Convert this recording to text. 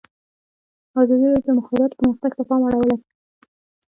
ازادي راډیو د د مخابراتو پرمختګ ته پام اړولی.